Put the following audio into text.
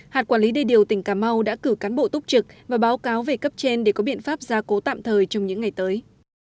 hạt quản lý đê điều tỉnh cà mau đã cử cán bộ túc trực và báo cáo về cấp trên để có biện pháp gia cố tạm thời trong những ngày tới